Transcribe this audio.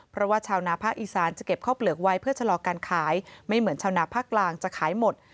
เพราะว่าชาวนาภาคอีสานจะเก็บข้าวเปลือกไว้เพื่อชะลอการขายไม่เหมือนชาวนาภาคกลางจะขายหมด